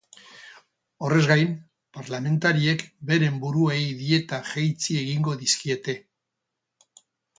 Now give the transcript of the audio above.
Horrez gain, parlamentariek beren buruei dietak jeitsi egingo dizkiete.